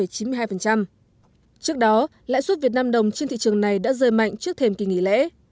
trước đó lãi suất việt nam đồng trên thị trường này đã rơi mạnh trước thềm kỳ nghỉ lễ